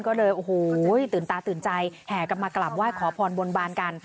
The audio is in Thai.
ก็เลยโอ้โหตื่นตาตื่นใจแห่กลับมากราบไหว้ขอพรบนบานกัน